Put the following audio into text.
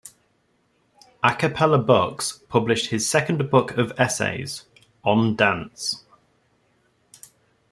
A Cappella Books published his second book of essays, "On Dance".